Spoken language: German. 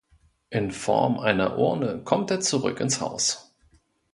In Form einer Urne kommt er zurück ins Haus.